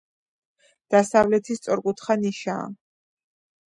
დასავლეთით სწორკუთხა ნიშაა.